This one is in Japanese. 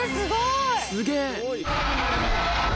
すげえ！